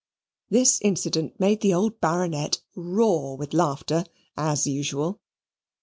This incident made the old Baronet roar with laughter, as usual.